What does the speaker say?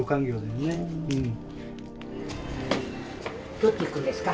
どっち行くんですか？